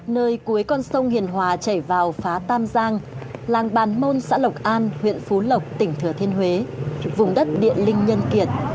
nơi cuối con sông hiền hòa chảy vào phá tam giang làng bàn môn xã lộc an huyện phú lộc tỉnh thừa thiên huế vùng đất địa linh nhân kiệt